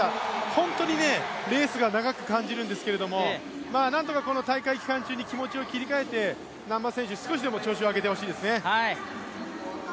本当にレースが長く感じるんですけど何とかこの大会期間中に気持ちを切り替えて難波選手、少しでも調子を上げてほしいですね。